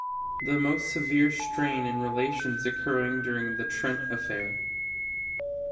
The most severe strain in relations occurring during the Trent Affair.